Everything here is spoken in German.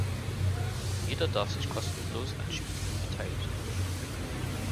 Jeder darf sich kostenlos an Spielen beteiligen.